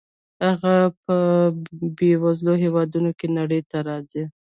هغه په بې وزله هېواد کې نړۍ ته راځي.